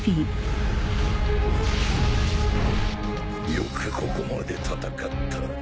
よくここまで戦った。